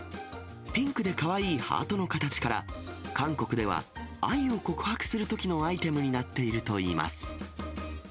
ピンクでかわいいハートの形から、韓国では愛を告白するときのアイテムになっているといいます。